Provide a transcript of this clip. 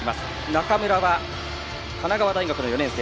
中村は神奈川大学の４年生。